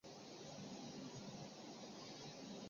见龙是南诏异牟寻的年号。